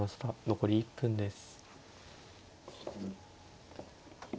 残り１分です。